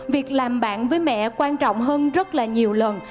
việc làm bạn với mẹ quan trọng hơn rất là nhiều lần